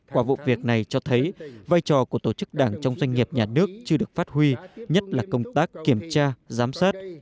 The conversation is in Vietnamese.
qua vụ việc này cho thấy vai trò của tổ chức đảng trong doanh nghiệp nhà nước chưa được phát huy nhất là công tác kiểm tra giám sát